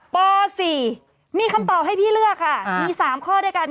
ป๔มีคำตอบให้พี่เลือกค่ะมี๓ข้อด้วยกัน